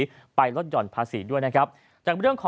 จำนวนนักท่องเที่ยวที่เดินทางมาพักผ่อนเพิ่มขึ้นในปีนี้